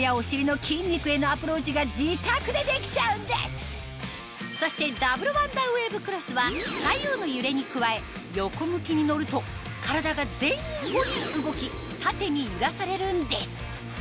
モードはの２種類そしてダブルワンダーウェーブクロスは左右の揺れに加え横向きに乗ると体が前後に動き縦に揺らされるんです